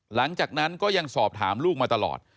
หลังจากนั้นก็ยังสอบถามลูกมาตลอด